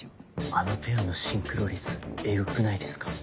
あのペアのシンクロ率エグくないですか？